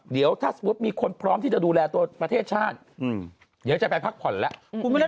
เดี๋ยวถ้าสมมุติมีคนพร้อมที่จะดูแลตัวประเทศชาติเดี๋ยวจะไปพักผ่อนแล้ว